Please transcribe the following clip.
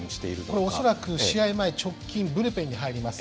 これ恐らく試合前直近ブルペンに入ります。